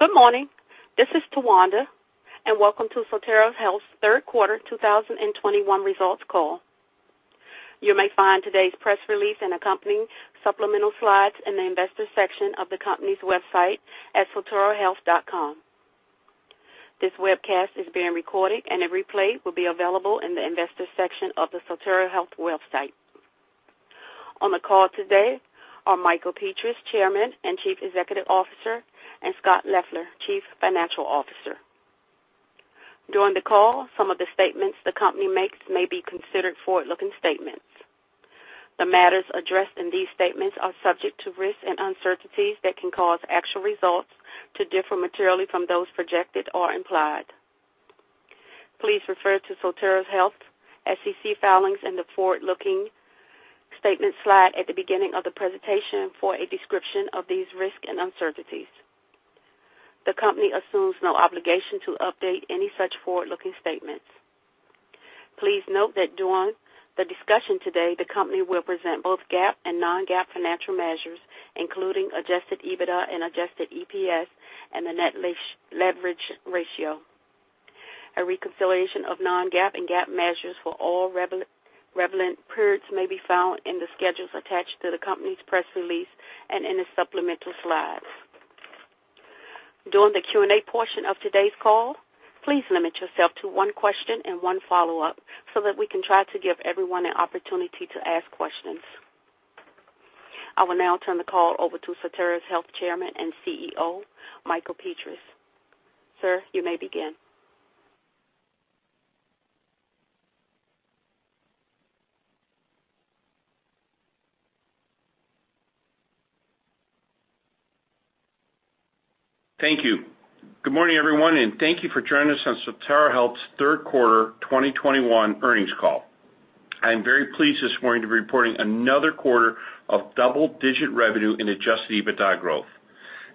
Good morning. This is Tawanda, and welcome to Sotera Health's third quarter 2021 results call. You may find today's press release and accompanying supplemental slides in the Investors section of the company's website at soterahealth.com. This webcast is being recorded, and a replay will be available in the Investors section of the Sotera Health website. On the call today are Michael Petras, Chairman and Chief Executive Officer, and Scott Leffler, Chief Financial Officer. During the call, some of the statements the company makes may be considered forward-looking statements. The matters addressed in these statements are subject to risks and uncertainties that can cause actual results to differ materially from those projected or implied. Please refer to Sotera Health's SEC filings and the forward-looking statements slide at the beginning of the presentation for a description of these risks and uncertainties The company assumes no obligation to update any such forward-looking statements. Please note that during the discussion today, the company will present both GAAP and non-GAAP financial measures, including adjusted EBITDA and adjusted EPS and the net leverage ratio. A reconciliation of non-GAAP and GAAP measures for all relevant periods may be found in the schedules attached to the company's press release and in the supplemental slides. During the Q&A portion of today's call, please limit yourself to one question and one follow-up so that we can try to give everyone an opportunity to ask questions. I will now turn the call over to Sotera Health Chairman and CEO, Michael Petras. Sir, you may begin. Thank you. Good morning, everyone, and thank you for joining us on Sotera Health's third quarter 2021 earnings call. I am very pleased this morning to be reporting another quarter of double-digit revenue and adjusted EBITDA growth.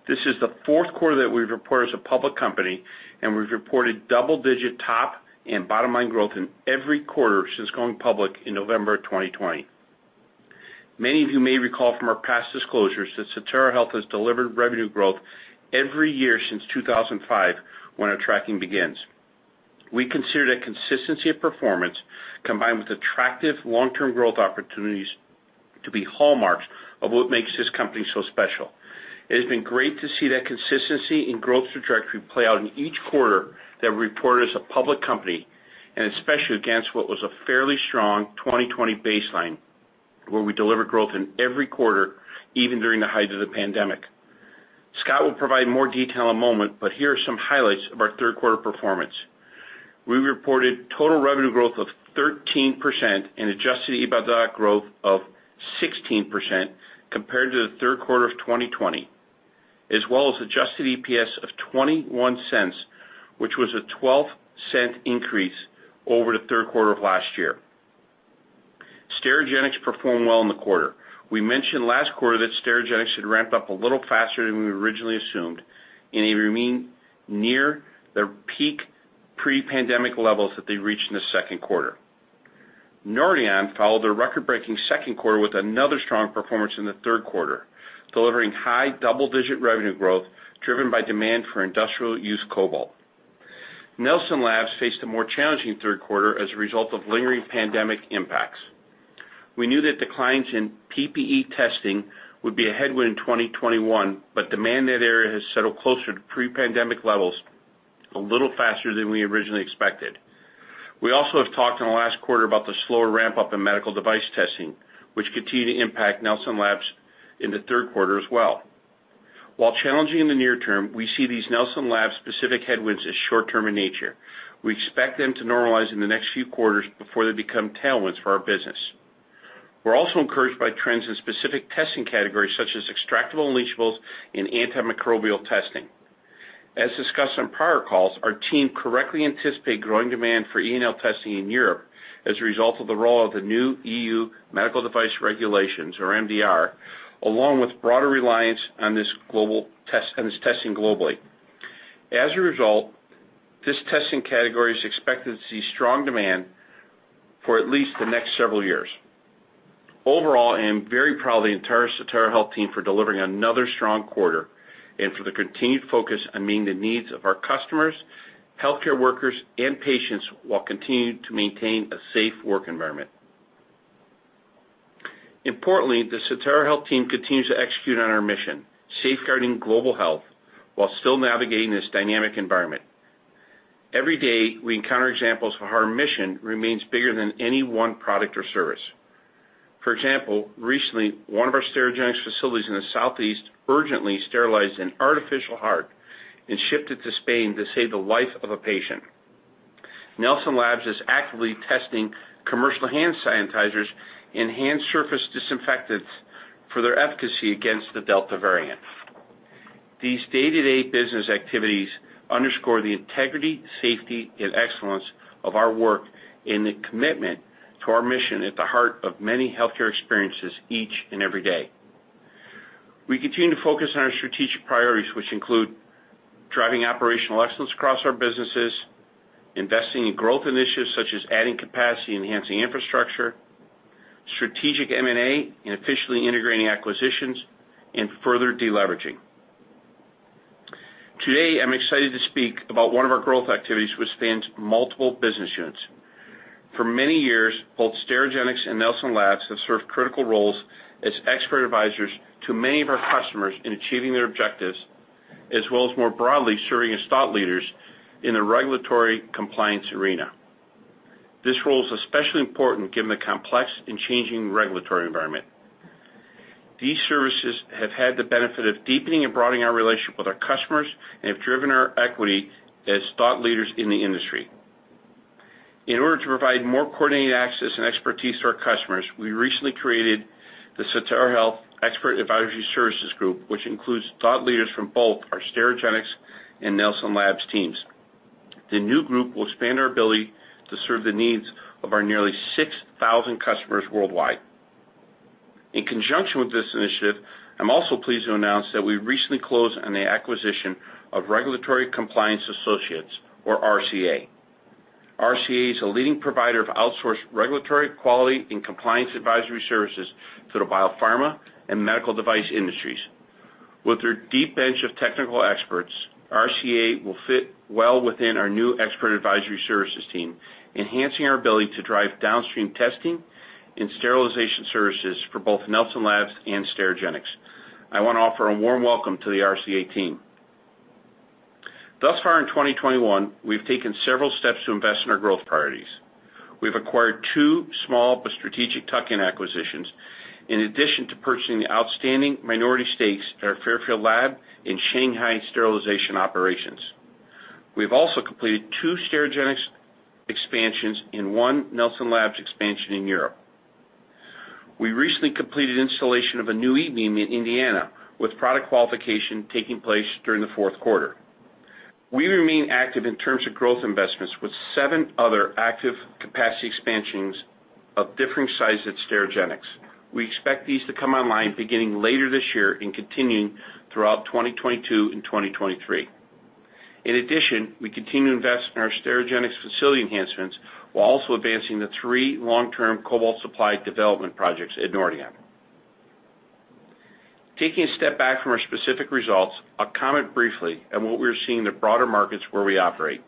This is the fourth quarter that we've reported as a public company, and we've reported double-digit top and bottom-line growth in every quarter since going public in November 2020. Many of you may recall from our past disclosures that Sotera Health has delivered revenue growth every year since 2005 when our tracking begins. We consider the consistency of performance, combined with attractive long-term growth opportunities, to be hallmarks of what makes this company so special. It has been great to see that consistency and growth trajectory play out in each quarter that we reported as a public company, and especially against what was a fairly strong 2020 baseline, where we delivered growth in every quarter, even during the height of the pandemic. Scott will provide more detail in a moment, but here are some highlights of our third quarter performance. We reported total revenue growth of 13% and adjusted EBITDA growth of 16% compared to the third quarter of 2020, as well as adjusted EPS of $0.21, which was a $0.12 increase over the third quarter of last year. Sterigenics performed well in the quarter. We mentioned last quarter that Sterigenics should ramp up a little faster than we originally assumed, and they remain near their peak pre-pandemic levels that they reached in the second quarter. Nordion followed a record-breaking second quarter with another strong performance in the third quarter, delivering high double-digit revenue growth driven by demand for industrial use cobalt. Nelson Labs faced a more challenging third quarter as a result of lingering pandemic impacts. We knew that declines in PPE testing would be a headwind in 2021, but demand in that area has settled closer to pre-pandemic levels a little faster than we originally expected. We also have talked in the last quarter about the slower ramp-up in medical device testing, which continued to impact Nelson Labs in the third quarter as well. While challenging in the near term, we see these Nelson Labs specific headwinds as short-term in nature. We expect them to normalize in the next few quarters before they become tailwinds for our business. We're also encouraged by trends in specific testing categories such as extractable and leachable in antimicrobial testing. As discussed on prior calls, our team correctly anticipate growing demand for E&L testing in Europe as a result of the role of the new EU Medical Device Regulation or MDR, along with broader reliance on this testing globally. As a result, this testing category is expected to see strong demand for at least the next several years. Overall, I am very proud of the entire Sotera Health team for delivering another strong quarter and for the continued focus on meeting the needs of our customers, healthcare workers and patients while continuing to maintain a safe work environment. Importantly, the Sotera Health team continues to execute on our mission, safeguarding global health, while still navigating this dynamic environment. Every day, we encounter examples of how our mission remains bigger than any one product or service. For example, recently, one of our Sterigenics facilities in the Southeast urgently sterilized an artificial heart and shipped it to Spain to save the life of a patient. Nelson Labs is actively testing commercial hand sanitizers and hand surface disinfectants for their efficacy against the Delta variant. These day-to-day business activities underscore the integrity, safety, and excellence of our work and the commitment to our mission at the heart of many healthcare experiences each and every day. We continue to focus on our strategic priorities, which include driving operational excellence across our businesses, investing in growth initiatives such as adding capacity, enhancing infrastructure, strategic M&A, and officially integrating acquisitions and further deleveraging. Today, I'm excited to speak about one of our growth activities which spans multiple business units. For many years, both Sterigenics and Nelson Labs have served critical roles as expert advisors to many of our customers in achieving their objectives, as well as more broadly serving as thought leaders in the regulatory compliance arena. This role is especially important given the complex and changing regulatory environment. These services have had the benefit of deepening and broadening our relationship with our customers and have driven our equity as thought leaders in the industry. In order to provide more coordinated access and expertise to our customers, we recently created the Sotera Health Expert Advisory Services Group, which includes thought leaders from both our Sterigenics and Nelson Labs teams. The new group will expand our ability to serve the needs of our nearly 6,000 customers worldwide. In conjunction with this initiative, I'm also pleased to announce that we recently closed on the acquisition of Regulatory Compliance Associates, or RCA. RCA is a leading provider of outsourced regulatory quality and compliance advisory services to the biopharma and medical device industries. With their deep bench of technical experts, RCA will fit well within our new expert advisory services team, enhancing our ability to drive downstream testing and sterilization services for both Nelson Labs and Sterigenics. I want to offer a warm welcome to the RCA team. Thus far in 2021, we've taken several steps to invest in our growth priorities. We've acquired two small but strategic tuck-in acquisitions in addition to purchasing the outstanding minority stakes at our Fairfield lab in Shanghai sterilization operations. We've also completed two Sterigenics expansions and one Nelson Labs expansion in Europe. We recently completed installation of a new E-beam in Indiana, with product qualification taking place during the fourth quarter. We remain active in terms of growth investments, with seven other active capacity expansions of differing sizes at Sterigenics. We expect these to come online beginning later this year and continuing throughout 2022 and 2023. In addition, we continue to invest in our Sterigenics facility enhancements while also advancing the three long-term cobalt supply development projects at Nordion. Taking a step back from our specific results, I'll comment briefly on what we're seeing in the broader markets where we operate.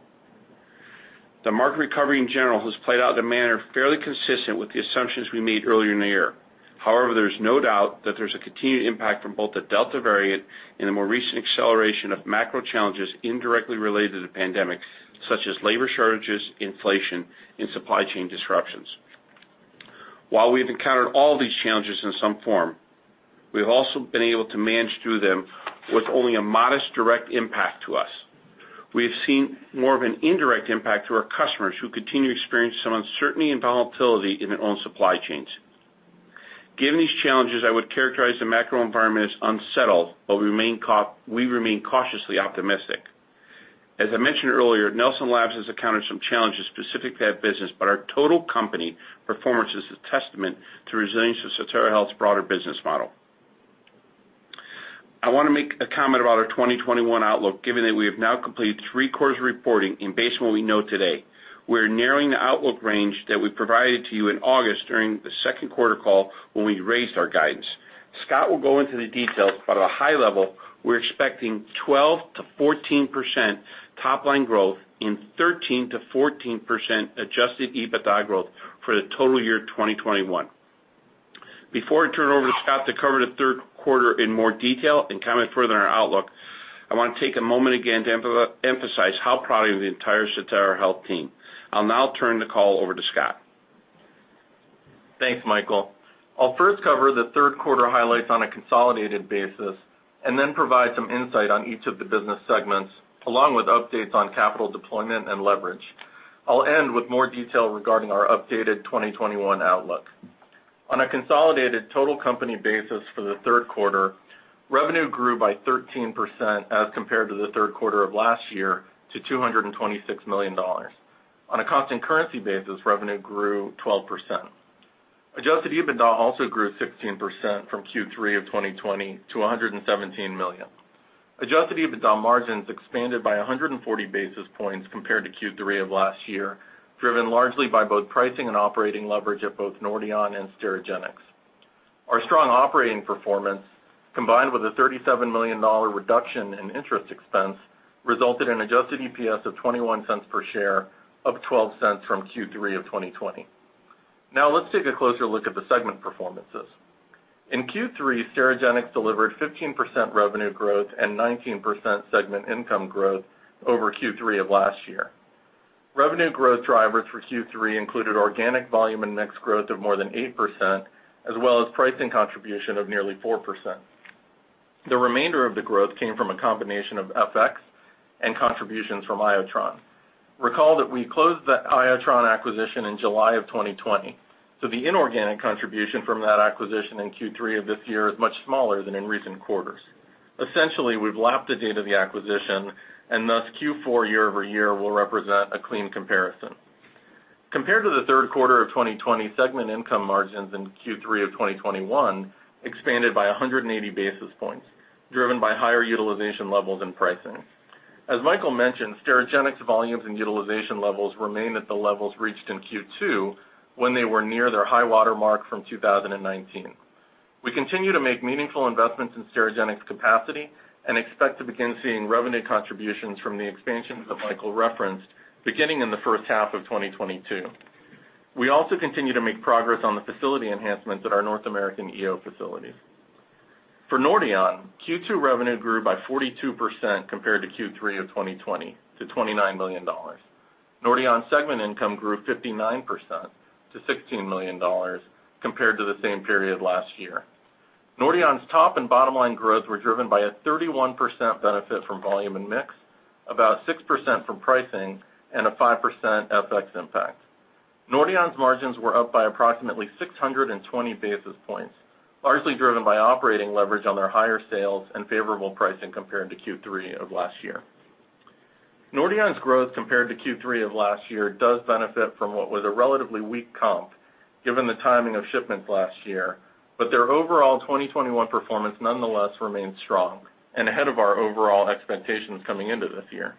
The market recovery in general has played out in a manner fairly consistent with the assumptions we made earlier in the year. However, there's no doubt that there's a continued impact from both the Delta variant and the more recent acceleration of macro challenges indirectly related to the pandemic, such as labor shortages, inflation, and supply chain disruptions. While we've encountered all these challenges in some form, we've also been able to manage through them with only a modest direct impact to us. We have seen more of an indirect impact to our customers, who continue to experience some uncertainty and volatility in their own supply chains. Given these challenges, I would characterize the macro environment as unsettled, but we remain cautiously optimistic. As I mentioned earlier, Nelson Labs has encountered some challenges specific to that business, but our total company performance is a testament to the resilience of Sotera Health's broader business model. I want to make a comment about our 2021 outlook, given that we have now completed three quarters of reporting and based on what we know today. We are narrowing the outlook range that we provided to you in August during the second quarter call when we raised our guidance. Scott will go into the details, but at a high level, we're expecting 12%-14% top-line growth and 13%-14% adjusted EBITDA growth for the total year 2021. Before I turn it over to Scott to cover the third quarter in more detail and comment further on our outlook, I want to take a moment again to emphasize how proud I am of the entire Sotera Health team. I'll now turn the call over to Scott. Thanks, Michael. I'll first cover the third quarter highlights on a consolidated basis and then provide some insight on each of the business segments, along with updates on capital deployment and leverage. I'll end with more detail regarding our updated 2021 outlook. On a consolidated total company basis for the third quarter, revenue grew by 13% as compared to the third quarter of last year to $226 million. On a constant currency basis, revenue grew 12%. Adjusted EBITDA also grew 16% from Q3 of 2020 to $117 million. Adjusted EBITDA margins expanded by 140 basis points compared to Q3 of last year, driven largely by both pricing and operating leverage at both Nordion and Sterigenics. Our strong operating performance, combined with a $37 million reduction in interest expense, resulted in adjusted EPS of $0.21 per share, up $0.12 from Q3 of 2020. Now let's take a closer look at the segment performances. In Q3, Sterigenics delivered 15% revenue growth and 19% segment income growth over Q3 of last year. Revenue growth drivers for Q3 included organic volume and mix growth of more than 8%, as well as pricing contribution of nearly 4%. The remainder of the growth came from a combination of FX and contributions from Iotron. Recall that we closed the Iotron acquisition in July of 2020, so the inorganic contribution from that acquisition in Q3 of this year is much smaller than in recent quarters. Essentially, we've lapped the date of the acquisition, and thus Q4 year-over-year will represent a clean comparison. Compared to the third quarter of 2020, segment income margins in Q3 2021 expanded by 180 basis points, driven by higher utilization levels and pricing. As Michael mentioned, Sterigenics volumes and utilization levels remain at the levels reached in Q2 when they were near their high water mark from 2019. We continue to make meaningful investments in Sterigenics capacity and expect to begin seeing revenue contributions from the expansions that Michael referenced beginning in the first half of 2022. We also continue to make progress on the facility enhancements at our North American EO facilities. For Nordion, Q2 revenue grew by 42% compared to Q3 2020 to $29 million. Nordion segment income grew 59% to $16 million compared to the same period last year. Nordion's top and bottom line growth were driven by a 31% benefit from volume and mix, about 6% from pricing, and a 5% FX impact. Nordion's margins were up by approximately 620 basis points, largely driven by operating leverage on their higher sales and favorable pricing compared to Q3 of last year. Nordion's growth compared to Q3 of last year does benefit from what was a relatively weak comp, given the timing of shipments last year, but their overall 2021 performance nonetheless remained strong and ahead of our overall expectations coming into this year.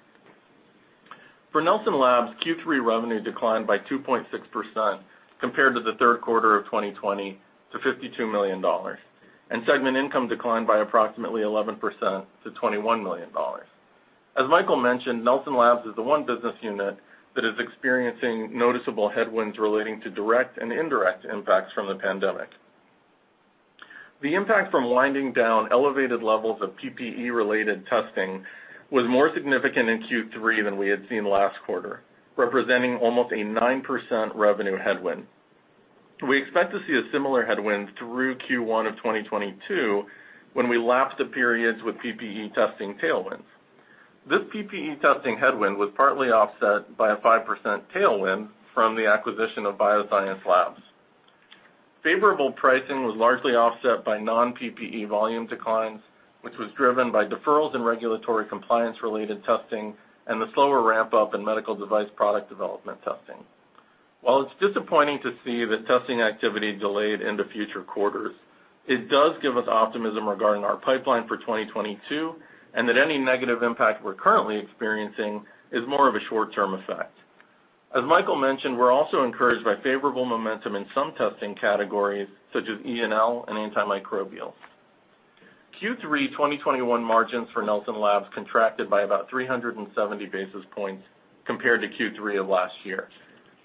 For Nelson Labs, Q3 revenue declined by 2.6% compared to the third quarter of 2020 to $52 million, and segment income declined by approximately 11% to $21 million. As Michael mentioned, Nelson Labs is the one business unit that is experiencing noticeable headwinds relating to direct and indirect impacts from the pandemic. The impact from winding down elevated levels of PPE-related testing was more significant in Q3 than we had seen last quarter, representing almost a 9% revenue headwind. We expect to see a similar headwind through Q1 of 2022 when we lap the periods with PPE testing tailwinds. This PPE testing headwind was partly offset by a 5% tailwind from the acquisition of BioScience Laboratories. Favorable pricing was largely offset by non-PPE volume declines, which was driven by deferrals in regulatory compliance-related testing and the slower ramp-up in medical device product development testing. While it's disappointing to see the testing activity delayed into future quarters, it does give us optimism regarding our pipeline for 2022, and that any negative impact we're currently experiencing is more of a short-term effect. As Michael mentioned, we're also encouraged by favorable momentum in some testing categories, such as E&L and antimicrobial. Q3 2021 margins for Nelson Labs contracted by about 370 basis points compared to Q3 of last year.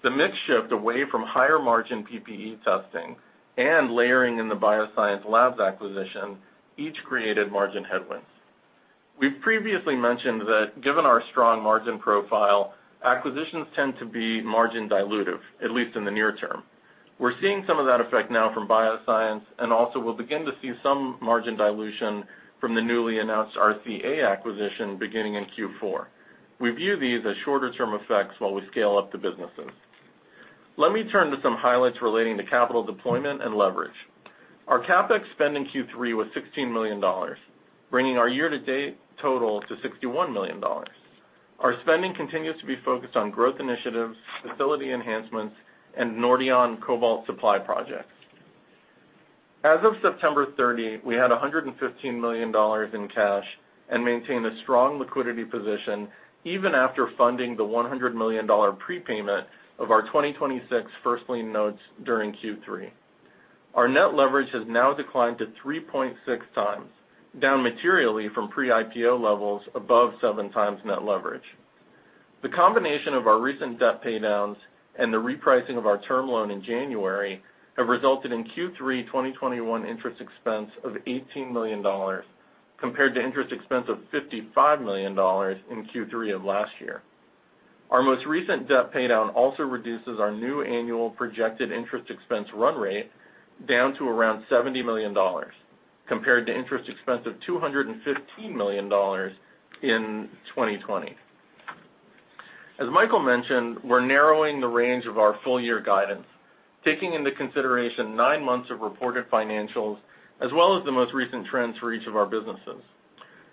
The mix shift away from higher margin PPE testing and layering in the BioScience Laboratories acquisition each created margin headwinds. We've previously mentioned that given our strong margin profile, acquisitions tend to be margin dilutive, at least in the near term. We're seeing some of that effect now from BioScience, and also we'll begin to see some margin dilution from the newly announced RCA acquisition beginning in Q4. We view these as shorter-term effects while we scale up the businesses. Let me turn to some highlights relating to capital deployment and leverage. Our CapEx spend in Q3 was $16 million, bringing our year-to-date total to $61 million. Our spending continues to be focused on growth initiatives, facility enhancements, and Nordion cobalt supply projects. As of September 30th, we had $115 million in cash and maintained a strong liquidity position even after funding the $100 million prepayment of our 2026 first lien notes during Q3. Our net leverage has now declined to 3.6x, down materially from pre-IPO levels above 7x net leverage. The combination of our recent debt paydowns and the repricing of our term loan in January have resulted in Q3 2021 interest expense of $18 million compared to interest expense of $55 million in Q3 of last year. Our most recent debt paydown also reduces our new annual projected interest expense run rate down to around $70 million compared to interest expense of $215 million in 2020. As Michael mentioned, we're narrowing the range of our full year guidance, taking into consideration nine months of reported financials as well as the most recent trends for each of our businesses.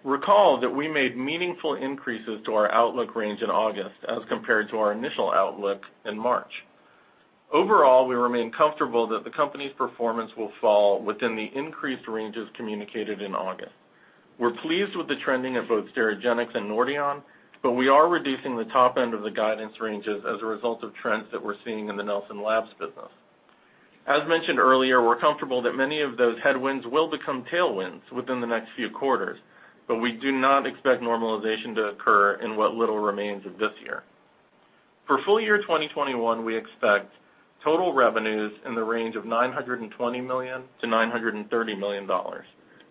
Recall that we made meaningful increases to our outlook range in August as compared to our initial outlook in March. Overall, we remain comfortable that the company's performance will fall within the increased ranges communicated in August. We're pleased with the trending of both Sterigenics and Nordion, but we are reducing the top end of the guidance ranges as a result of trends that we're seeing in the Nelson Labs business. As mentioned earlier, we're comfortable that many of those headwinds will become tailwinds within the next few quarters, but we do not expect normalization to occur in what little remains of this year. For full year 2021, we expect total revenues in the range of $920 million-$930 million,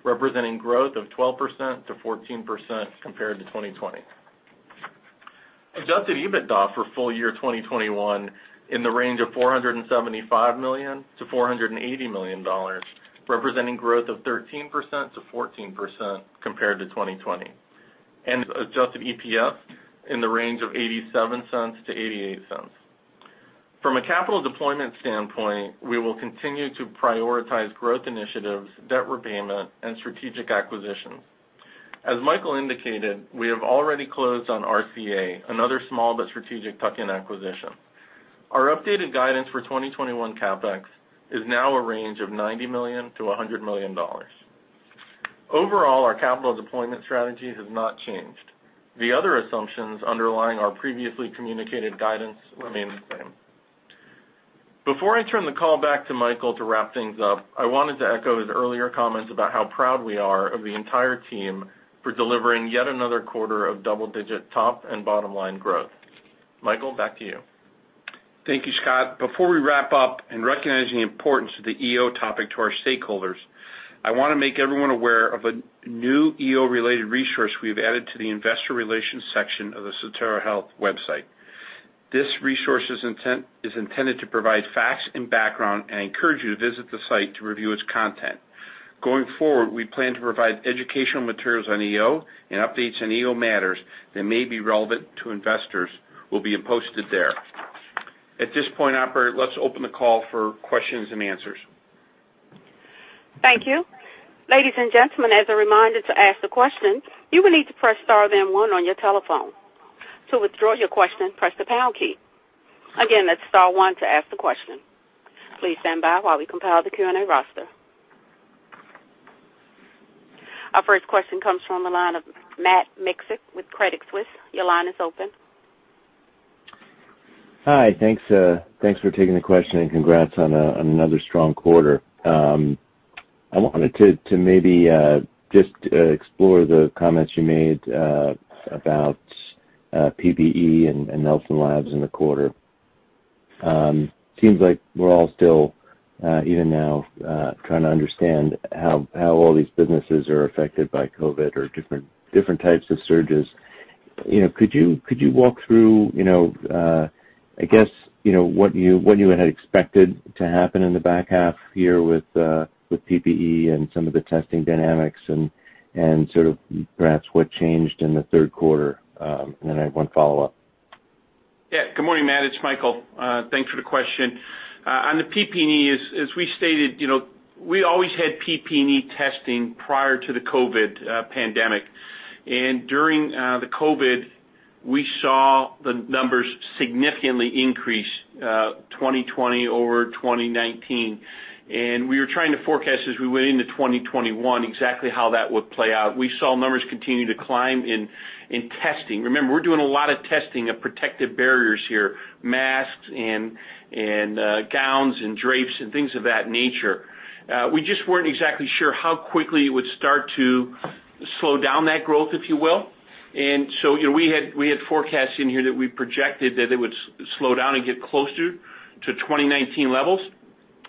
representing growth of 12%-14% compared to 2020. Adjusted EBITDA for full year 2021 in the range of $475 million-$480 million, representing growth of 13%-14% compared to 2020. Adjusted EPS in the range of $0.87-$0.88. From a capital deployment standpoint, we will continue to prioritize growth initiatives, debt repayment, and strategic acquisitions. As Michael indicated, we have already closed on RCA, another small but strategic tuck-in acquisition. Our updated guidance for 2021 CapEx is now a range of $90 million-$100 million. Overall, our capital deployment strategy has not changed. The other assumptions underlying our previously communicated guidance remain the same. Before I turn the call back to Michael to wrap things up, I wanted to echo his earlier comments about how proud we are of the entire team for delivering yet another quarter of double-digit top and bottom line growth. Michael, back to you. Thank you, Scott. Before we wrap up and recognizing the importance of the EO topic to our stakeholders, I wanna make everyone aware of a new EO related resource we've added to the investor relations section of the Sotera Health website. This resource is intended to provide facts and background, and I encourage you to visit the site to review its content. Going forward, we plan to provide educational materials on EO and updates on EO matters that may be relevant to investors will be posted there. At this point, operator, let's open the call for questions and answers. Thank you. Ladies and gentlemen, as a reminder to ask the question, you will need to press star then one on your telephone. To withdraw your question, press the pound key. Again, that's star one to ask the question. Please stand by while we compile the Q&A roster. Our first question comes from the line of Matt Miksic with Credit Suisse. Your line is open. Hi. Thanks for taking the question, and congrats on another strong quarter. I wanted to maybe just explore the comments you made about PPE and Nelson Labs in the quarter. Seems like we're all still even now trying to understand how all these businesses are affected by COVID or different types of surges. You know, could you walk through, you know, I guess, you know, what you had expected to happen in the back half here with PPE and some of the testing dynamics and sort of perhaps what changed in the third quarter? Then I have one follow-up. Yeah. Good morning, Matt. It's Michael. Thanks for the question. On the PPE, as we stated, you know, we always had PPE testing prior to the COVID pandemic. During the COVID, we saw the numbers significantly increase 2020 over 2019. We were trying to forecast as we went into 2021 exactly how that would play out. We saw numbers continue to climb in testing. Remember, we're doing a lot of testing of protective barriers here, masks and gowns and drapes and things of that nature. We just weren't exactly sure how quickly it would start to slow down that growth, if you will. You know, we had forecasts in here that we projected that it would slow down and get closer to 2019 levels.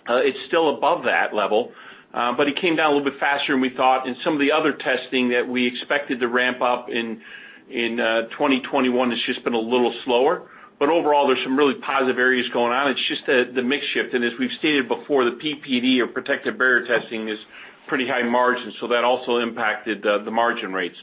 It's still above that level, but it came down a little bit faster than we thought. Some of the other testing that we expected to ramp up in 2021 has just been a little slower. Overall, there's some really positive areas going on. It's just the mix shift. As we've stated before, the PPE or protective barrier testing is pretty high margin, so that also impacted the margin rates.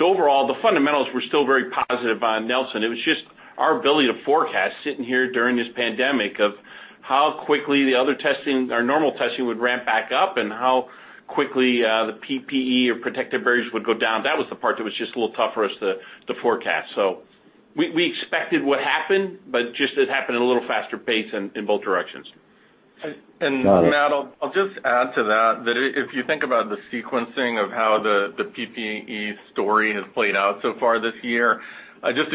Overall, the fundamentals were still very positive on Nelson. It was just our ability to forecast sitting here during this pandemic of how quickly the other testing or normal testing would ramp back up and how quickly the PPE or protective barriers would go down. That was the part that was just a little tough for us to forecast. We expected what happened, but just it happened at a little faster pace in both directions. Matt, I'll just add to that if you think about the sequencing of how the PPE story has played out so far this year, just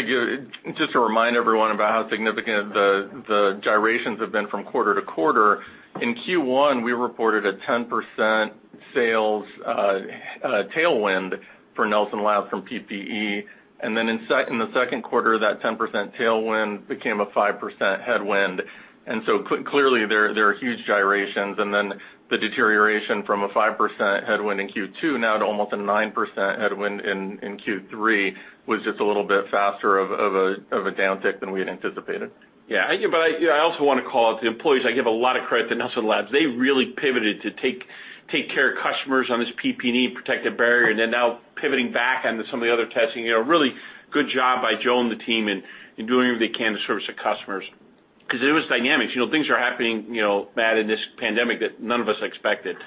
to remind everyone about how significant the gyrations have been from quarter to quarter. In Q1, we reported a 10% sales tailwind for Nelson Labs from PPE. In the second quarter, that 10% tailwind became a 5% headwind. Clearly, there are huge gyrations. Then the deterioration from a 5% headwind in Q2 now to almost a 9% headwind in Q3 was just a little bit faster of a downtick than we had anticipated. Yeah. I, you know, I also wanna call out the employees. I give a lot of credit to Nelson Labs. They really pivoted to take care of customers on this PPE protective barrier, and they're now pivoting back onto some of the other testing. You know, really good job by Joe and the team in doing what they can to service the customers 'cause it was dynamics. You know, things are happening, you know, Matt, in this pandemic that none of us expected.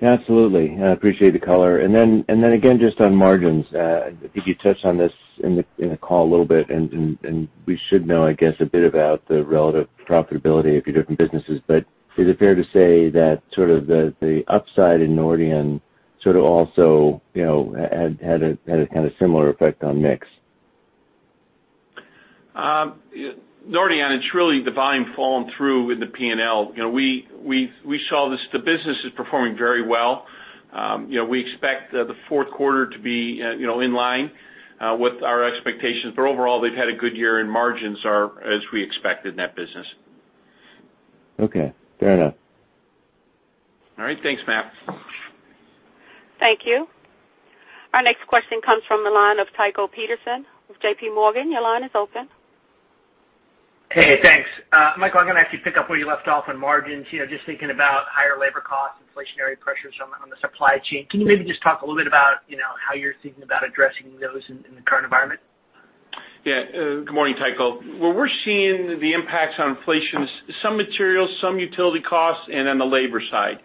Absolutely. I appreciate the color. Again, just on margins, I think you touched on this in the call a little bit, and we should know, I guess, a bit about the relative profitability of your different businesses. Is it fair to say that sort of the upside in Nordion sort of also, you know, had a kind of similar effect on mix? Nordion, it's really the volume falling through in the P&L. You know, we saw this. The business is performing very well. You know, we expect the fourth quarter to be in line with our expectations. Overall, they've had a good year, and margins are as we expected in that business. Okay. Fair enough. All right. Thanks, Matt. Thank you. Our next question comes from the line of Tycho Peterson with JPMorgan. Your line is open. Hey, thanks. Michael, I'm gonna actually pick up where you left off on margins. You know, just thinking about higher labor costs, inflationary pressures on the supply chain. Can you maybe just talk a little bit about, you know, how you're thinking about addressing those in the current environment? Yeah. Good morning, Tycho. Where we're seeing the impacts on inflation is some materials, some utility costs, and on the labor side.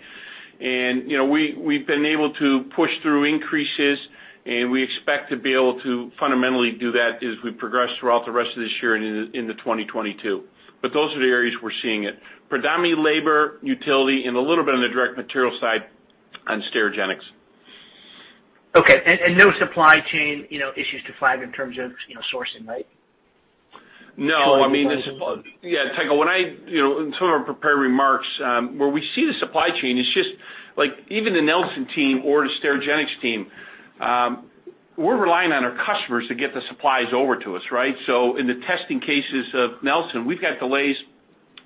You know, we've been able to push through increases, and we expect to be able to fundamentally do that as we progress throughout the rest of this year and into 2022. Those are the areas we're seeing it. Predominantly labor, utility, and a little bit on the direct material side on Sterigenics. Okay. No supply chain, you know, issues to flag in terms of, you know, sourcing, right? No, I mean, Yeah, Tycho. You know, in some of our prepared remarks, where we see the supply chain, it's just like even the Nelson team or the Sterigenics team, we're relying on our customers to get the supplies over to us, right? In the testing cases of Nelson, we've got delays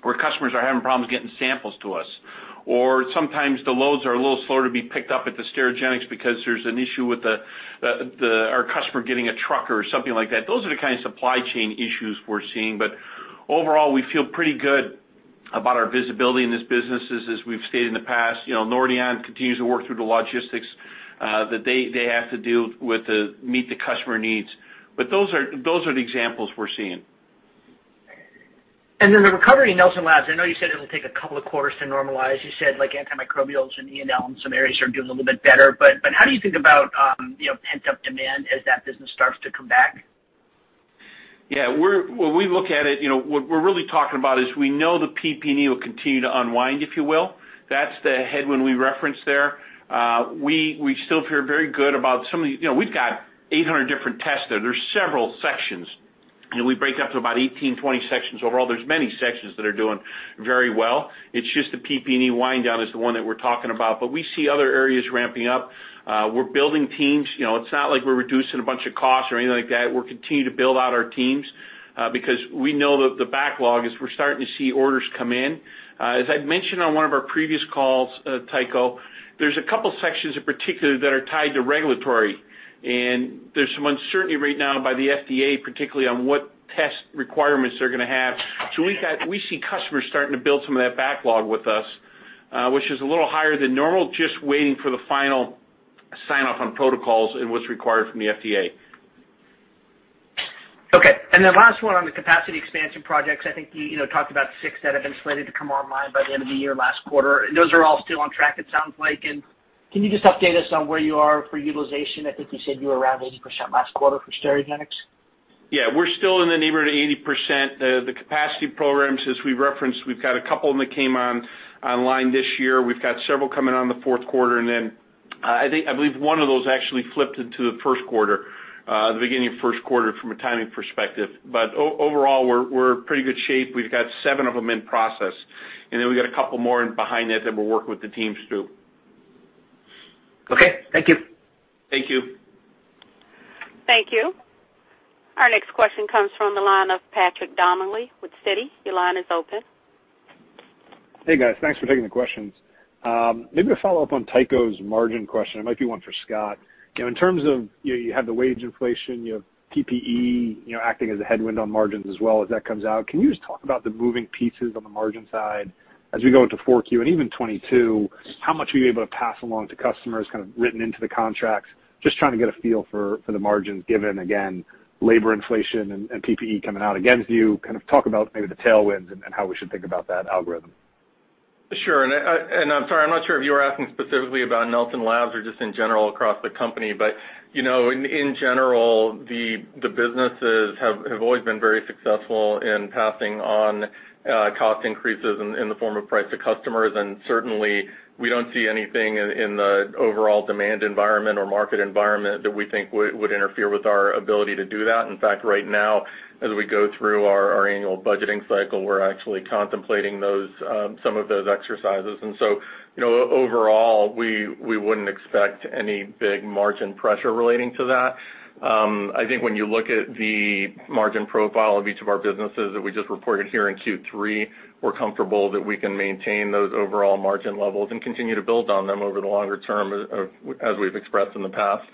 where customers are having problems getting samples to us, or sometimes the loads are a little slower to be picked up at the Sterigenics because there's an issue with our customer getting a truck or something like that. Those are the kind of supply chain issues we're seeing. Overall, we feel pretty good about our visibility in this business as we've stated in the past. You know, Nordion continues to work through the logistics that they have to do to meet the customer needs. Those are the examples we're seeing. Then the recovery in Nelson Labs, I know you said it'll take a couple of quarters to normalize. You said like antimicrobials and E&L and some areas are doing a little bit better. But how do you think about, you know, pent-up demand as that business starts to come back? When we look at it, you know, what we're really talking about is we know the PPE will continue to unwind, if you will. That's the headwind we referenced there. We still feel very good about some of the. You know, we've got 800 different tests there. There's several sections. You know, we break up to about 18, 20 sections overall. There's many sections that are doing very well. It's just the PPE wind down is the one that we're talking about. We see other areas ramping up. We're building teams. You know, it's not like we're reducing a bunch of costs or anything like that. We're continuing to build out our teams, because we know the backlog is we're starting to see orders come in. As I'd mentioned on one of our previous calls, Tycho, there's a couple sections in particular that are tied to regulatory, and there's some uncertainty right now by the FDA, particularly on what test requirements they're gonna have. We see customers starting to build some of that backlog with us, which is a little higher than normal, just waiting for the final sign-off on protocols and what's required from the FDA. Okay. The last one on the capacity expansion projects. I think you know, talked about six that have been slated to come online by the end of the year last quarter. Those are all still on track, it sounds like. Can you just update us on where you are for utilization? I think you said you were around 80% last quarter for Sterigenics. Yeah, we're still in the neighborhood of 80%. The capacity programs, as we referenced, we've got a couple that came on online this year. We've got several coming on in the fourth quarter. I believe one of those actually flipped into the first quarter, the beginning of first quarter from a timing perspective. Overall, we're in pretty good shape. We've got seven of them in process, and then we've got a couple more behind that that we're working with the teams through. Okay. Thank you. Thank you. Thank you. Our next question comes from the line of Patrick Donnelly with Citi. Your line is open. Hey, guys. Thanks for taking the questions. Maybe to follow up on Tycho's margin question. It might be one for Scott. You know, in terms of, you know, you have the wage inflation, you have PPE, you know, acting as a headwind on margins as well as that comes out. Can you just talk about the moving pieces on the margin side as we go into 4Q and even 2022, how much are you able to pass along to customers kind of written into the contracts? Just trying to get a feel for the margins given, again, labor inflation and PPE coming out against you. Kind of talk about maybe the tailwinds and how we should think about that algorithm. Sure. I'm sorry, I'm not sure if you were asking specifically about Nelson Labs or just in general across the company. You know, in general, the businesses have always been very successful in passing on cost increases in the form of price to customers. Certainly, we don't see anything in the overall demand environment or market environment that we think would interfere with our ability to do that. In fact, right now, as we go through our annual budgeting cycle, we're actually contemplating some of those exercises. You know, overall, we wouldn't expect any big margin pressure relating to that. I think when you look at the margin profile of each of our businesses that we just reported here in Q3, we're comfortable that we can maintain those overall margin levels and continue to build on them over the longer term, as we've expressed in the past.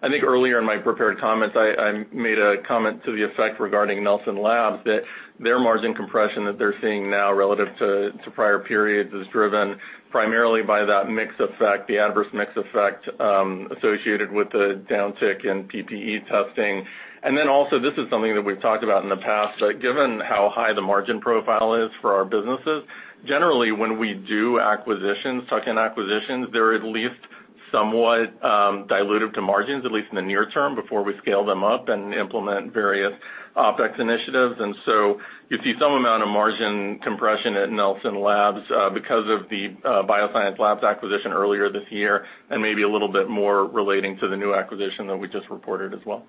I think earlier in my prepared comments, I made a comment to the effect regarding Nelson Labs, that their margin compression that they're seeing now relative to prior periods is driven primarily by that mix effect, the adverse mix effect, associated with the downtick in PPE testing. Then also, this is something that we've talked about in the past, but given how high the margin profile is for our businesses, generally, when we do acquisitions, tuck-in acquisitions, they're at least somewhat dilutive to margins, at least in the near term, before we scale them up and implement various OpEx initiatives. You see some amount of margin compression at Nelson Labs because of the BioScience Labs acquisition earlier this year, and maybe a little bit more relating to the new acquisition that we just reported as well.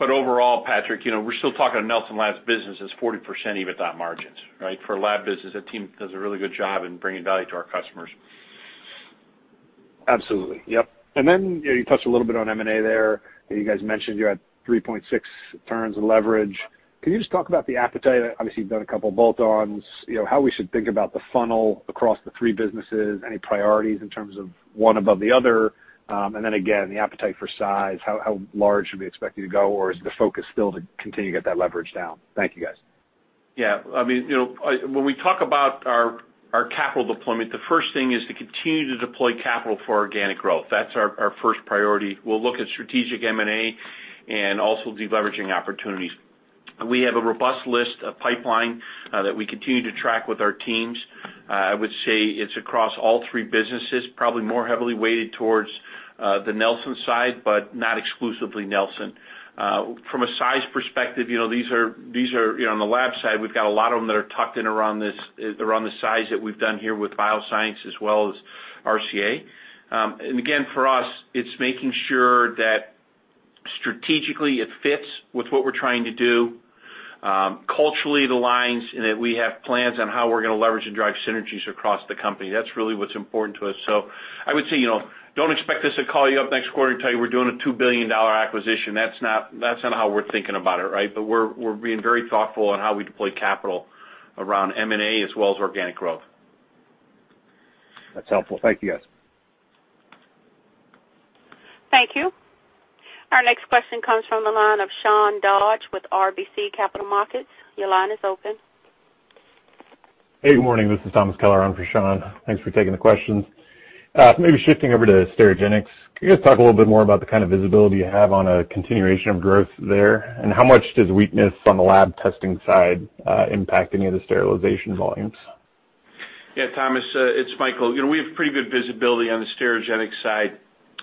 Overall, Patrick, you know, we're still talking Nelson Labs business is 40% EBITDA margins, right? For a lab business, that team does a really good job in bringing value to our customers. Absolutely. Yep. You know, you touched a little bit on M&A there. You guys mentioned you had 3.6 turns of leverage. Can you just talk about the appetite? Obviously, you've done a couple bolt-ons. You know, how we should think about the funnel across the three businesses, any priorities in terms of one above the other. The appetite for size, how large should we expect you to go, or is the focus still to continue to get that leverage down? Thank you, guys. Yeah. I mean, you know, when we talk about our capital deployment, the first thing is to continue to deploy capital for organic growth. That's our first priority. We'll look at strategic M&A and also de-leveraging opportunities. We have a robust list of pipeline that we continue to track with our teams. I would say it's across all three businesses, probably more heavily weighted towards the Nelson side, but not exclusively Nelson. From a size perspective, you know, these are you know, on the lab side, we've got a lot of them that are tucked in around this around the size that we've done here with BioScience as well as RCA. Again, for us, it's making sure that strategically it fits with what we're trying to do, culturally it aligns, and that we have plans on how we're gonna leverage and drive synergies across the company. That's really what's important to us. I would say, you know, don't expect us to call you up next quarter and tell you we're doing a $2 billion acquisition. That's not how we're thinking about it, right? We're being very thoughtful on how we deploy capital around M&A as well as organic growth. That's helpful. Thank you, guys. Thank you. Our next question comes from the line of Sean Dodge with RBC Capital Markets. Your line is open. Hey, good morning. This is Thomas Kelliher on for Sean. Thanks for taking the questions. Maybe shifting over to Sterigenics. Can you guys talk a little bit more about the kind of visibility you have on a continuation of growth there? And how much does weakness on the lab testing side impact any of the sterilization volumes? Yeah, Thomas, it's Michael. You know, we have pretty good visibility on the Sterigenics side.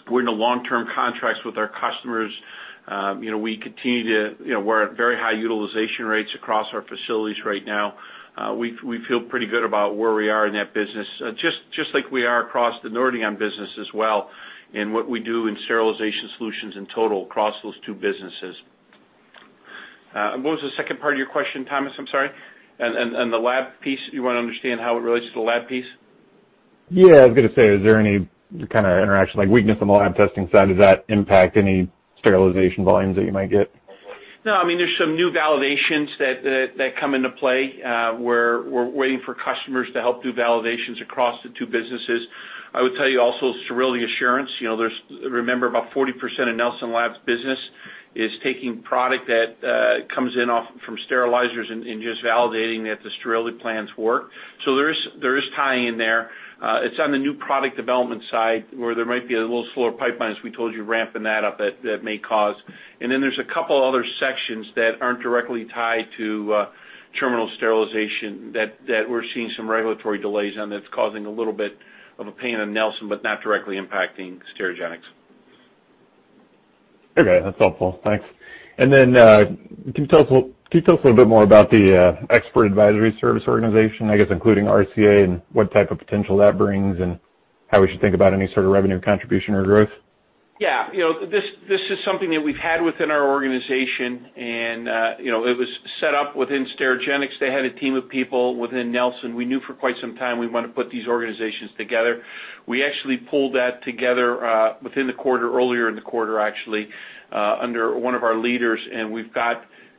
We're in the long-term contracts with our customers. You know, we're at very high utilization rates across our facilities right now. We feel pretty good about where we are in that business, just like we are across the Nordion business as well, and what we do in sterilization solutions in total across those two businesses. What was the second part of your question, Thomas? I'm sorry. The lab piece, you wanna understand how it relates to the lab piece? Yeah, I was gonna say, is there any kinda interaction like weakness on the lab testing side? Does that impact any sterilization volumes that you might get? No. I mean, there's some new validations that come into play. We're waiting for customers to help do validations across the two businesses. I would tell you also sterility assurance, you know, remember, about 40% of Nelson Labs's business is taking product that comes in off from sterilizers and just validating that the sterility plans work. So there is tie-in there. It's on the new product development side where there might be a little slower pipeline, as we told you, ramping that up that may cause. Then there's a couple other sections that aren't directly tied to terminal sterilization that we're seeing some regulatory delays, and that's causing a little bit of a pain on Nelson, but not directly impacting Sterigenics. Okay. That's helpful. Thanks. Can you tell us a little bit more about the expert advisory service organization, I guess, including RCA and what type of potential that brings and how we should think about any sort of revenue contribution or growth? Yeah. You know, this is something that we've had within our organization, and you know, it was set up within Sterigenics. They had a team of people within Nelson. We knew for quite some time we wanna put these organizations together. We actually pulled that together within the quarter, earlier in the quarter, actually, under one of our leaders, and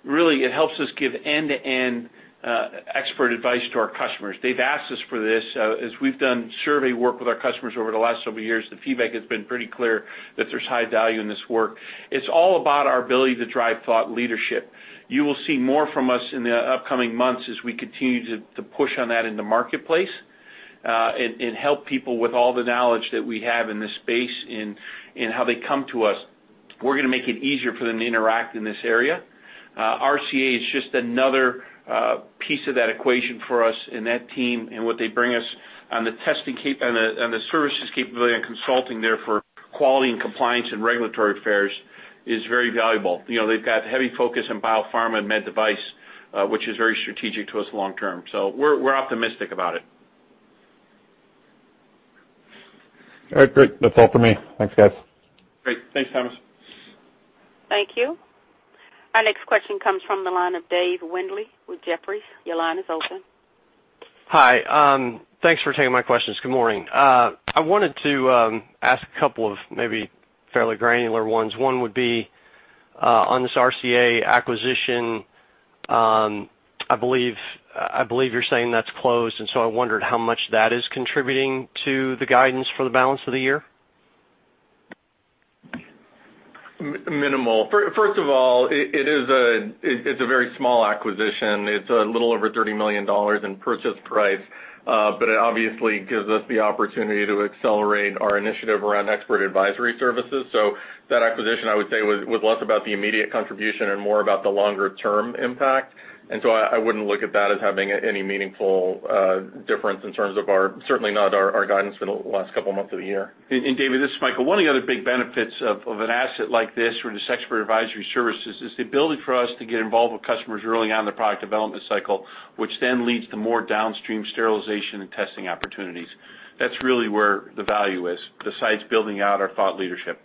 it really helps us give end-to-end expert advice to our customers. They've asked us for this. As we've done survey work with our customers over the last several years, the feedback has been pretty clear that there's high value in this work. It's all about our ability to drive thought leadership. You will see more from us in the upcoming months as we continue to push on that in the marketplace, and help people with all the knowledge that we have in this space in how they come to us. We're gonna make it easier for them to interact in this area. RCA is just another piece of that equation for us in that team and what they bring us on the services capability and consulting there for quality and compliance and regulatory affairs is very valuable. You know, they've got heavy focus on biopharma and med device, which is very strategic to us long term. We're optimistic about it. All right. Great. That's all for me. Thanks, guys. Great. Thanks, Thomas. Thank you. Our next question comes from the line of Dave Windley with Jefferies. Your line is open. Hi. Thanks for taking my questions. Good morning. I wanted to ask a couple of maybe fairly granular ones. One would be on this RCA acquisition. I believe you're saying that's closed, and so I wondered how much that is contributing to the guidance for the balance of the year. Minimal. First of all, it's a very small acquisition. It's a little over $30 million in purchase price, but it obviously gives us the opportunity to accelerate our initiative around expert advisory services. That acquisition, I would say, was less about the immediate contribution and more about the longer term impact. I wouldn't look at that as having any meaningful difference in terms of our, certainly not our guidance for the last couple of months of the year. Dave, this is Michael Petras. One of the other big benefits of an asset like this with this Expert Advisory Services is the ability for us to get involved with customers early on in the product development cycle, which then leads to more downstream sterilization and testing opportunities. That's really where the value is, besides building out our thought leadership.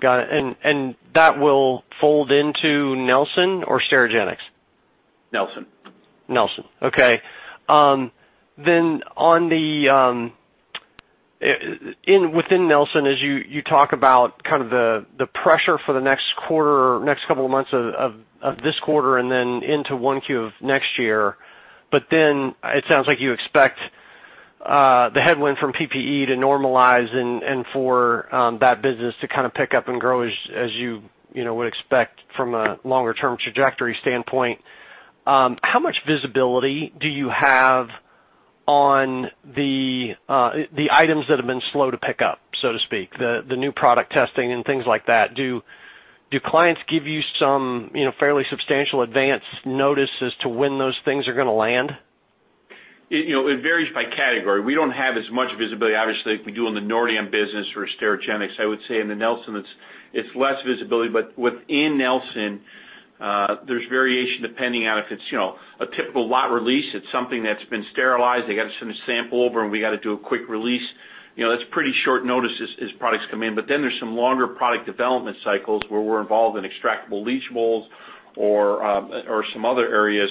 Got it. That will fold into Nelson or Sterigenics? Nelson. Nelson. Okay. On the within Nelson, as you talk about kind of the pressure for the next quarter or next couple of months of this quarter and then into 1Q of next year. It sounds like you expect the headwind from PPE to normalize and for that business to kind of pick up and grow as you know would expect from a longer term trajectory standpoint. How much visibility do you have on the items that have been slow to pick up, so to speak, the new product testing and things like that? Do clients give you some you know fairly substantial advance notice as to when those things are gonna land? You know, it varies by category. We don't have as much visibility, obviously, like we do on the Nordion business or Sterigenics. I would say in the Nelson, it's less visibility. But within Nelson, there's variation depending on if it's, you know, a typical lot release, it's something that's been sterilized. They got to send a sample over, and we got to do a quick release. You know, that's pretty short notice as products come in. But then there's some longer product development cycles where we're involved in extractables and leachables or some other areas,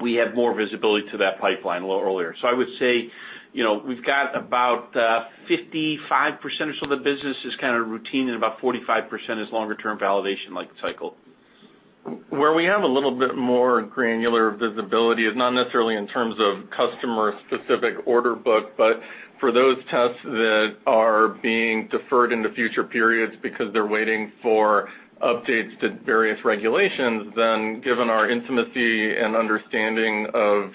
we have more visibility to that pipeline a little earlier. I would say, you know, we've got about 55% or so of the business is kind of routine, and about 45% is longer-term validation like cycle. Where we have a little bit more granular visibility is not necessarily in terms of customer-specific order book, but for those tests that are being deferred into future periods because they're waiting for updates to various regulations, then given our intimacy and understanding of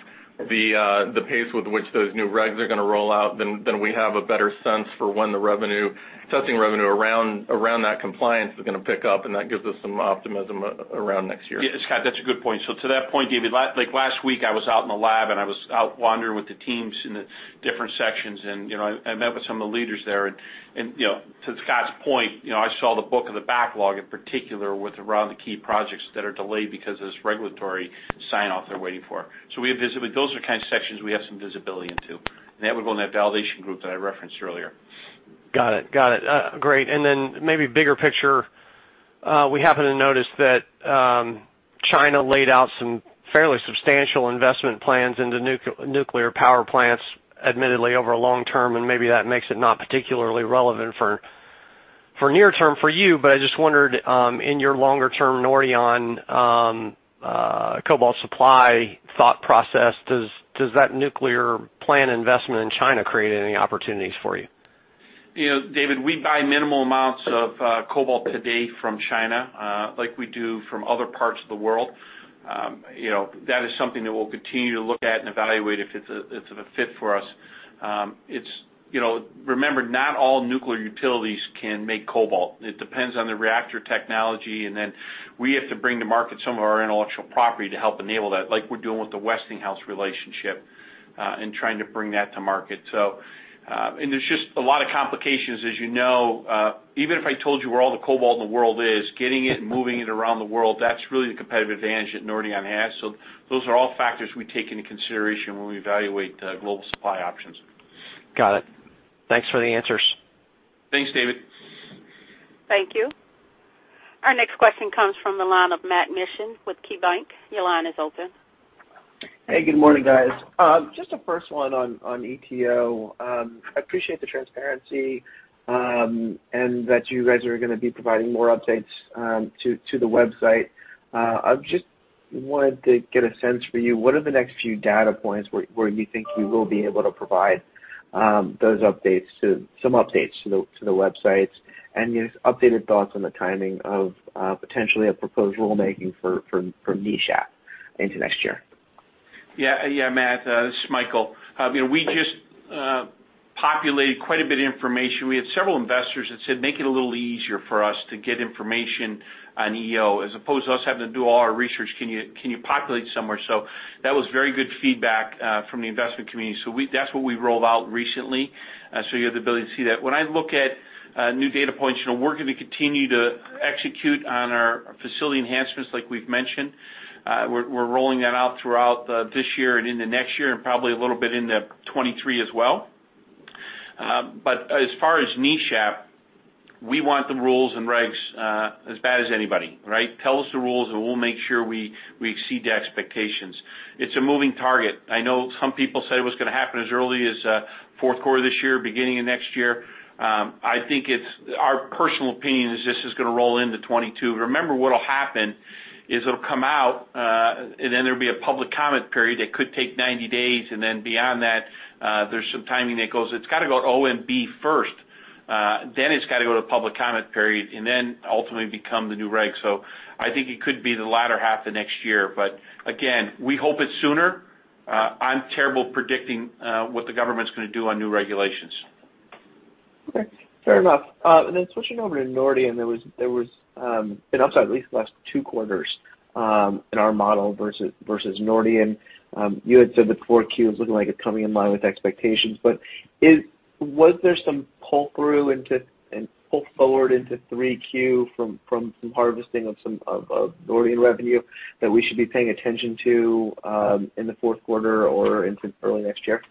the pace with which those new regs are gonna roll out, then we have a better sense for when the revenue, testing revenue around that compliance is gonna pick up, and that gives us some optimism around next year. Yeah. Scott, that's a good point. To that point, Dave, like last week, I was out in the lab, and I was out wandering with the teams in the different sections. You know, I met with some of the leaders there. You know, to Scott's point, you know, I saw the book of the backlog, in particular with around the key projects that are delayed because of this regulatory sign-off they're waiting for. We have visibility. Those are the kind of sections we have some visibility into, and that would go in that validation group that I referenced earlier. Great. Then maybe bigger picture, we happen to notice that China laid out some fairly substantial investment plans into nuclear power plants, admittedly over long-term, and maybe that makes it not particularly relevant for near-term for you. But I just wondered, in your longer-term Nordion cobalt supply thought process, does that nuclear plant investment in China create any opportunities for you? You know, David, we buy minimal amounts of cobalt today from China, like we do from other parts of the world. You know, that is something that we'll continue to look at and evaluate if it's a fit for us. You know, remember, not all nuclear utilities can make cobalt. It depends on the reactor technology, and then we have to bring to market some of our intellectual property to help enable that, like we're doing with the Westinghouse relationship, in trying to bring that to market. There's just a lot of complications as you know. Even if I told you where all the cobalt in the world is, getting it and moving it around the world, that's really the competitive advantage that Nordion has. Those are all factors we take into consideration when we evaluate global supply options. Got it. Thanks for the answers. Thanks, David. Thank you. Our next question comes from the line of Matt Mishan with KeyBanc. Your line is open. Hey, good morning, guys. Just the first one on EO. I appreciate the transparency and that you guys are gonna be providing more updates to the website. I just wanted to get a sense for you, what are the next few data points where you think you will be able to provide some updates to the websites. Just updated thoughts on the timing of potentially a proposed rulemaking from NESHAP into next year. Yeah, Matt, this is Michael. You know, we just populated quite a bit of information. We had several investors that said, "Make it a little easier for us to get information on EO. As opposed to us having to do all our research, can you populate somewhere?" That was very good feedback from the investment community. That's what we rolled out recently, so you have the ability to see that. When I look at new data points, you know, we're gonna continue to execute on our facility enhancements like we've mentioned. We're rolling that out throughout this year and into next year and probably a little bit into 2023 as well. As far as NESHAP, we want the rules and regs as bad as anybody, right? Tell us the rules, and we'll make sure we exceed the expectations. It's a moving target. I know some people said it was gonna happen as early as fourth quarter this year, beginning of next year. I think it's our personal opinion is this is gonna roll into 2022. Remember, what'll happen is it'll come out, and then there'll be a public comment period that could take 90 days. Beyond that, there's some timing that goes. It's gotta go to OMB first. It's got to go to public comment period and then ultimately become the new reg. I think it could be the latter half of next year. Again, we hope it's sooner. I'm terrible predicting what the government's gonna do on new regulations. Okay, fair enough. Switching over to Nordion, there was an upside at least the last two quarters in our model versus Nordion. You had said that 4Q is looking like it's coming in line with expectations. Was there some pull-through into and pull forward into 3Q from some harvesting of some of Nordion revenue that we should be paying attention to in the fourth quarter or into early next year?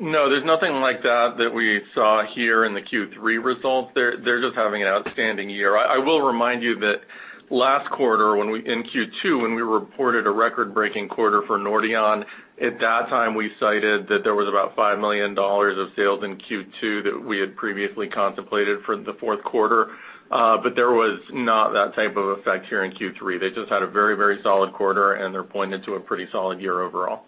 No, there's nothing like that that we saw here in the Q3 results. They're just having an outstanding year. I will remind you that last quarter in Q2, when we reported a record-breaking quarter for Nordion, at that time, we cited that there was about $5 million of sales in Q2 that we had previously contemplated for the fourth quarter. But there was not that type of effect here in Q3. They just had a very, very solid quarter, and they're pointing to a pretty solid year overall.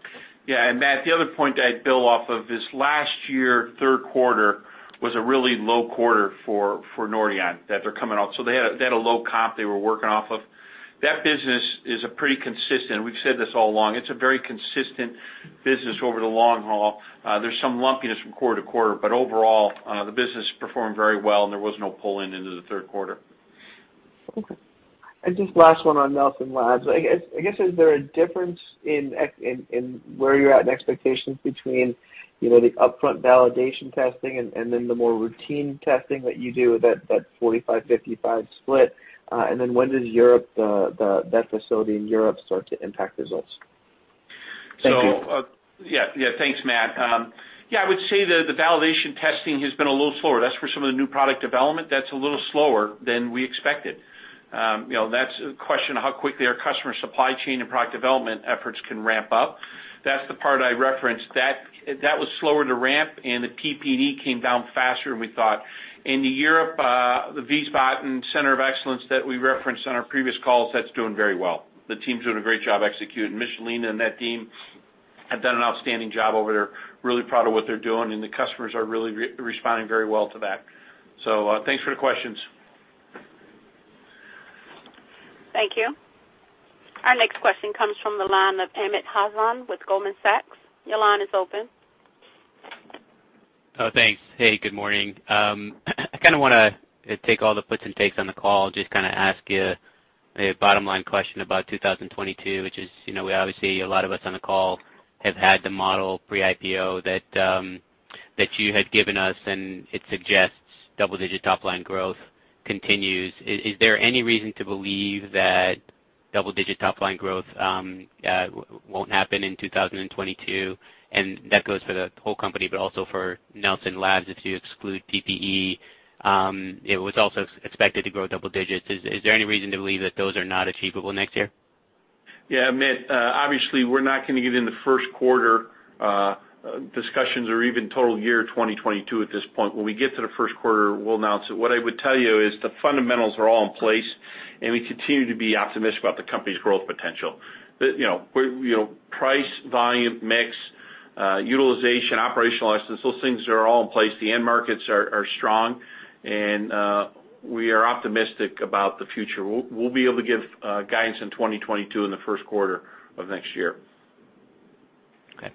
Yeah. Matt, the other point I'd build off of is last year, third quarter was a really low quarter for Nordion that they're coming out. So they had a low comp they were working off of. That business is a pretty consistent. We've said this all along. It's a very consistent business over the long haul. There's some lumpiness from quarter to quarter, but overall, the business performed very well, and there was no pull-in into the third quarter. Okay. Just last one on Nelson Labs. I guess is there a difference in where you're at in expectations between, you know, the upfront validation testing and then the more routine testing that you do, that 45-55 split? Then when does that facility in Europe start to impact results? Thank you. Yeah, thanks, Matt. I would say the validation testing has been a little slower. That's for some of the new product development that's a little slower than we expected. You know, that's a question of how quickly our customer supply chain and product development efforts can ramp up. That's the part I referenced. That was slower to ramp, and the PPE came down faster than we thought. In Europe, the Wiesbaden Center of Excellence that we referenced on our previous calls, that's doing very well. The team's doing a great job executing Michelin and that team have done an outstanding job over there, really proud of what they're doing, and the customers are really responding very well to that. Thanks for the questions. Thank you. Our next question comes from the line of Amit Hazan with Goldman Sachs. Your line is open. Oh, thanks. Hey, good morning. I kinda wanna take all the puts and takes on the call, just kinda ask you a bottom line question about 2022, which is, you know, we obviously, a lot of us on the call have had the model pre-IPO that that you had given us, and it suggests double-digit top line growth continues. Is there any reason to believe that double-digit top line growth won't happen in 2022? That goes for the whole company, but also for Nelson Labs. If you exclude PPE, it was also expected to grow double digits. Is there any reason to believe that those are not achievable next year? Yeah, Amit, obviously, we're not gonna give you the first quarter discussions or even total year 2022 at this point. When we get to the first quarter, we'll announce it. What I would tell you is the fundamentals are all in place, and we continue to be optimistic about the company's growth potential. You know, price, volume, mix, utilization, operational license, those things are all in place. The end markets are strong, and we are optimistic about the future. We'll be able to give guidance in 2022 in the first quarter of next year. Okay.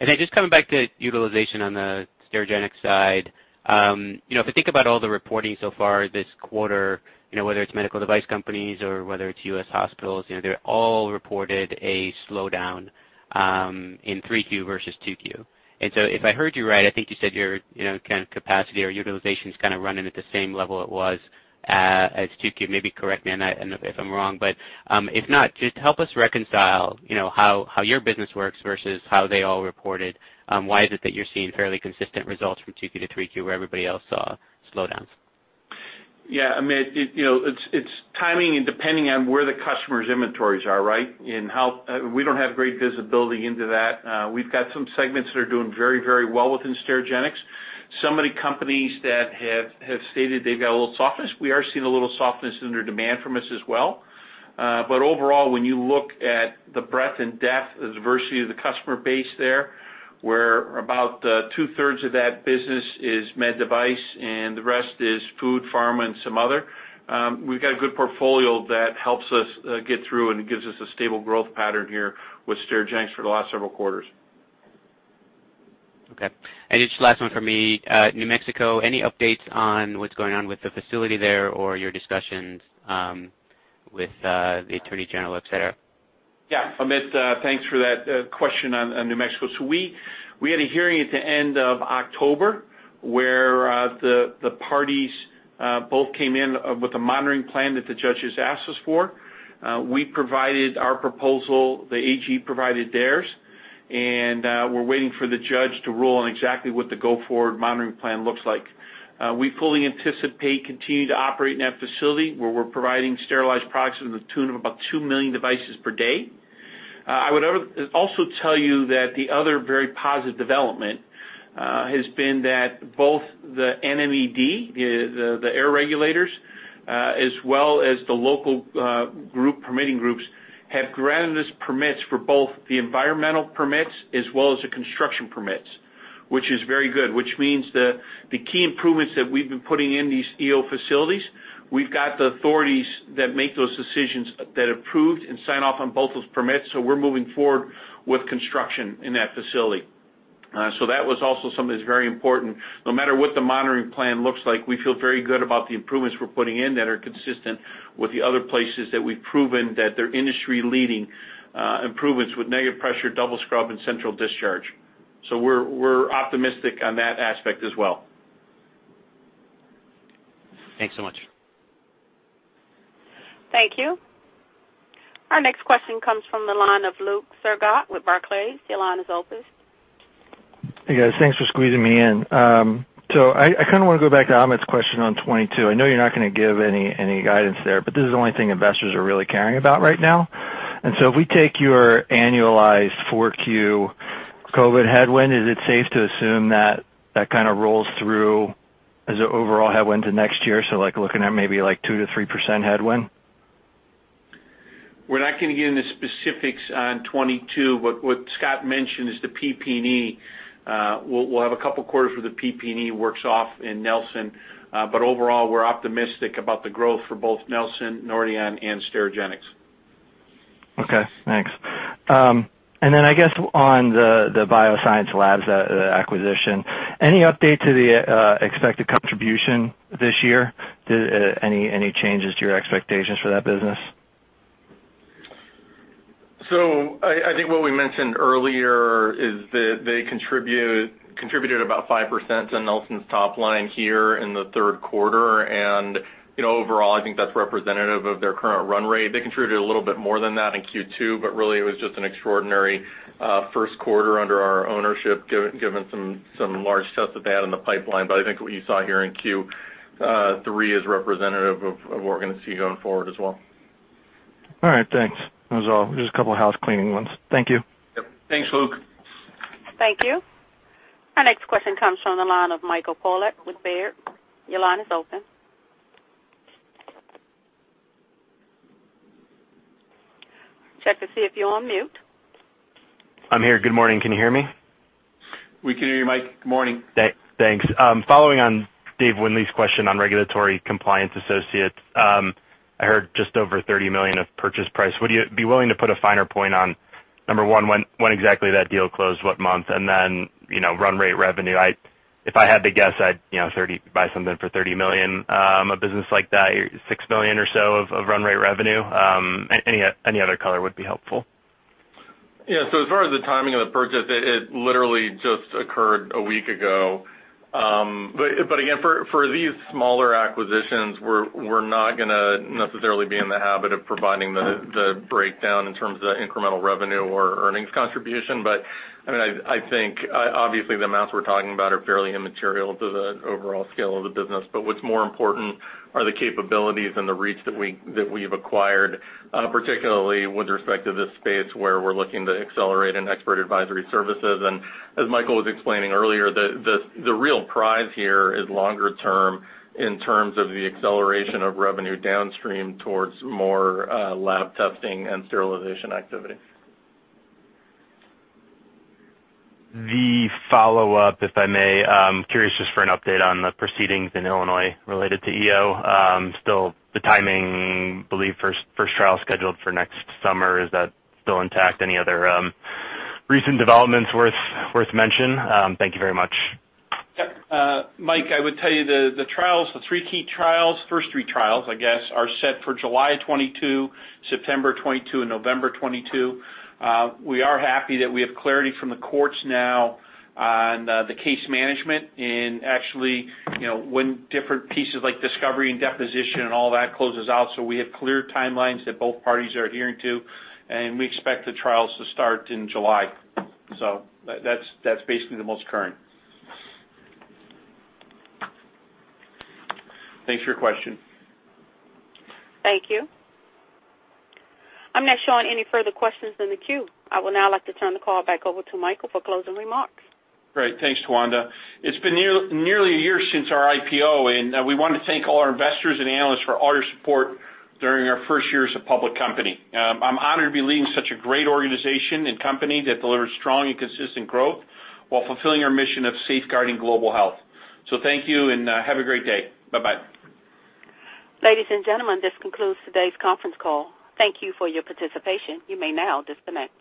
Just coming back to utilization on the Sterigenics side, you know, if I think about all the reporting so far this quarter, you know, whether it's medical device companies or whether it's U.S. hospitals, you know, they all reported a slowdown in 3Q versus 2Q. If I heard you right, I think you said your, you know, kind of capacity or utilization's kinda running at the same level it was as 2Q. Maybe correct me on that and if I'm wrong. If not, just help us reconcile, you know, how your business works versus how they all reported. Why is it that you're seeing fairly consistent results from 2Q to 3Q where everybody else saw slowdowns? Yeah, Amit, you know, it's timing and depending on where the customer's inventories are, right? We don't have great visibility into that. We've got some segments that are doing very, very well within Sterigenics. Some of the companies that have stated they've got a little softness, we are seeing a little softness in their demand from us as well. But overall, when you look at the breadth and depth, the diversity of the customer base there, where about two-thirds of that business is med device and the rest is food, pharma, and some other, we've got a good portfolio that helps us get through and gives us a stable growth pattern here with Sterigenics for the last several quarters. Okay. Just last one for me. New Mexico, any updates on what's going on with the facility there or your discussions with the attorney general, et cetera? Yeah, Amit, thanks for that question on New Mexico. We had a hearing at the end of October, where the parties both came in with a monitoring plan that the judges asked us for. We provided our proposal, the AG provided theirs, and we're waiting for the judge to rule on exactly what the go-forward monitoring plan looks like. We fully anticipate continuing to operate in that facility, where we're providing sterilized products to the tune of about 2 million devices per day. I would also tell you that the other very positive development has been that both the NMED, the air regulators, as well as the local group permitting groups, have granted us permits for both the environmental permits as well as the construction permits, which is very good. Which means the key improvements that we've been putting in these EO facilities, we've got the authorities that make those decisions that have approved and signed off on both those permits, we're moving forward with construction in that facility. That was also something that's very important. No matter what the monitoring plan looks like, we feel very good about the improvements we're putting in that are consistent with the other places that we've proven that they're industry-leading improvements with negative pressure, double scrub, and central discharge. We're optimistic on that aspect as well. Thanks so much. Thank you. Our next question comes from the line of Luke Sergott with Barclays. Your line is open. Hey, guys. Thanks for squeezing me in. I kinda wanna go back to Amit's question on 22. I know you're not gonna give any guidance there, but this is the only thing investors are really caring about right now. If we take your annualized 4Q COVID headwind, is it safe to assume that kinda rolls through as an overall headwind to next year, so like looking at maybe like 2%-3% headwind? We're not gonna get into specifics on 2022. What Scott mentioned is the PPE. We'll have a couple of quarters where the PPE works off in Nelson. Overall, we're optimistic about the growth for both Nelson, Nordion, and Sterigenics. Okay, thanks. I guess on the BioScience Laboratories acquisition, any update to the expected contribution this year? Did any changes to your expectations for that business? I think what we mentioned earlier is that they contributed about 5% to Nelson's top line here in the third quarter. You know, overall, I think that's representative of their current run rate. They contributed a little bit more than that in Q2, but really it was just an extraordinary first quarter under our ownership, given some large tests that they had in the pipeline. I think what you saw here in Q3 is representative of what we're gonna see going forward as well. All right, thanks. That was all. Just a couple of housecleaning ones. Thank you. Yep. Thanks, Luke. Thank you. Our next question comes from the line of Michael Polark with Baird. Your line is open. Check to see if you're on mute. I'm here. Good morning. Can you hear me? We can hear you, Mike. Good morning. Thanks. Following on Dave Windley's question on Regulatory Compliance Associates, I heard just over $30 million of purchase price. Would you be willing to put a finer point on, number one, when exactly that deal closed, what month, and then run rate revenue? If I had to guess, I'd buy something for $30 million, a business like that, $6 million or so of run rate revenue. Any other color would be helpful. As far as the timing of the purchase, it literally just occurred a week ago. But again, for these smaller acquisitions, we're not gonna necessarily be in the habit of providing the breakdown in terms of the incremental revenue or earnings contribution. I mean, I think obviously, the amounts we're talking about are fairly immaterial to the overall scale of the business. What's more important are the capabilities and the reach that we've acquired, particularly with respect to this space where we're looking to accelerate in expert advisory services. As Michael was explaining earlier, the real prize here is longer term in terms of the acceleration of revenue downstream towards more lab testing and sterilization activity. The follow-up, if I may. I'm curious just for an update on the proceedings in Illinois related to EO. Still the timing? I believe first trial scheduled for next summer. Is that still intact? Any other recent developments worth mentioning? Thank you very much. Yep. Mike, I would tell you the three key trials, first three trials, I guess, are set for July 2022, September 2022 and November 2022. We are happy that we have clarity from the courts now on the case management and actually, you know, when different pieces like discovery and deposition and all that closes out, so we have clear timelines that both parties are adhering to, and we expect the trials to start in July. That's basically the most current. Thanks for your question. Thank you. I'm not showing any further questions in the queue. I will now like to turn the call back over to Michael for closing remarks. Great. Thanks, Tawanda. It's been nearly a year since our IPO, and we wanna thank all our investors and analysts for all your support during our first year as a public company. I'm honored to be leading such a great organization and company that delivers strong and consistent growth while fulfilling our mission of safeguarding global health. Thank you, and have a great day. Bye-bye. Ladies and gentlemen, this concludes today's conference call. Thank you for your participation. You may now disconnect.